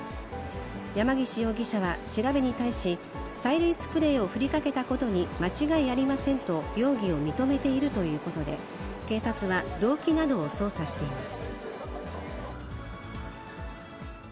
山岸容疑者は調べに対し、催涙スプレーをふりかけたことに間違いありませんと、容疑を認めているということで、警察は、動機などを捜査しています。